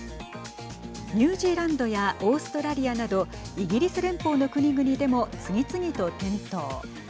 ニュージーランドやオーストラリアなどイギリス連邦の国々でも次々と点灯。